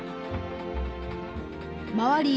周り